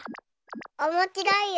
おもしろいよ。